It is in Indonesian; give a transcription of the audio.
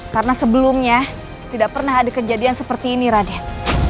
karena sebelumnya tidak pernah ada kejadian seperti ini raden